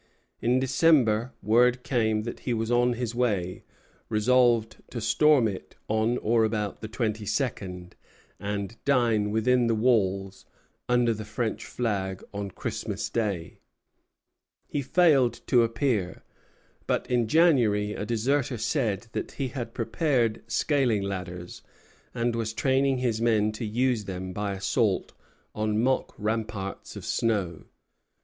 In December word came that he was on his way, resolved to storm it on or about the twenty second, and dine within the walls, under the French flag, on Christmas Day. He failed to appear; but in January a deserter said that he had prepared scaling ladders, and was training his men to use them by assaults on mock ramparts of snow.